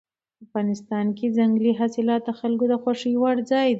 افغانستان کې ځنګلي حاصلات د خلکو د خوښې وړ ځای دی.